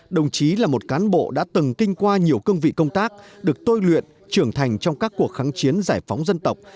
đồng chí là một cán bộ đã từng kinh qua nhiều cương vị công tác được tôi luyện trưởng thành trong các cuộc kháng chiến giải phóng dân tộc